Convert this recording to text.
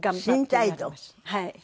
はい。